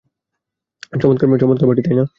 চমৎকার পার্টি, তাই না?